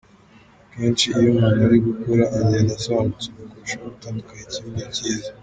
Akenshi iyo umuntu ari gukura agenda asobanukirwa kurushaho gutandukanya ikibi n’icyiza.